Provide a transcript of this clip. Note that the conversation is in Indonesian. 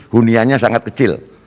hunianya sangat kecil